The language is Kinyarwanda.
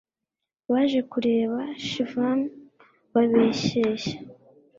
baje kureba Shivam bababeshya